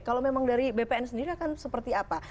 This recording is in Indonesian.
kalau memang dari bpn sendiri akan seperti apa